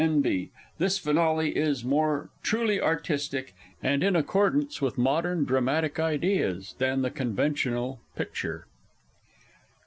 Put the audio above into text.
N.B. This finale is more truly artistic, and in accordance with modern dramatic ideas, than the conventional "picture."